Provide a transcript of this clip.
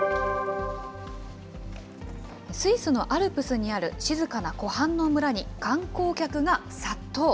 スイスのアルプスにある静かな湖畔の村に観光客が殺到。